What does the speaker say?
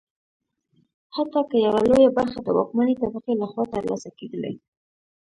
حتی که یوه لویه برخه د واکمنې طبقې لخوا ترلاسه کېدلی.